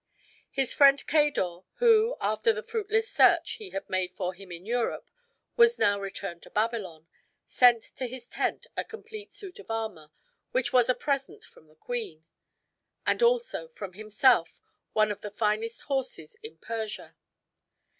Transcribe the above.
His friend Cador, who, after the fruitless search he had made for him in Egypt, was now returned to Babylon, sent to his tent a complete suit of armor, which was a present from the queen; as also, from himself, one of the finest horses in Persia.